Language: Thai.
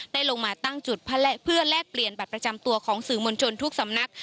ลงมาตั้งจุดเพื่อแลกเปลี่ยนบัตรประจำตัวของสื่อมวลชนทุกสำนัก